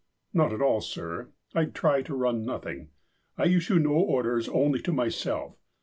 "Not at all, sir. I try to run nothing. I issue no or ders, only to myself.